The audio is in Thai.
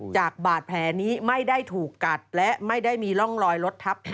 จากบาดแผลนี้ไม่ได้ถูกกัดและไม่ได้มีร่องรอยรถทับ